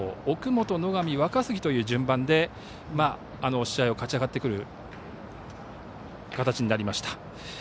奥本、野上、若杉という順番で試合を勝ち上がってくる形になりました。